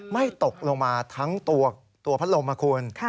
ไม่ตกลงมาทั้งตัวพัดลมนะคุณ